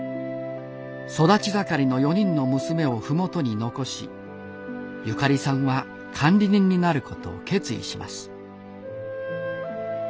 育ち盛りの４人の娘を麓に残しゆかりさんは管理人になることを決意します。